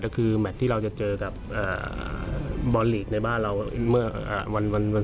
ก็คือแมทที่เราจะเจอกับบอลลีกในบ้านเราวันเสาร์หน้า